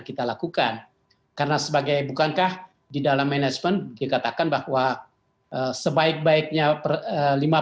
kita lakukan karena sebagai bukankah di dalam manajemen dikatakan bahwa sebaik baiknya per lima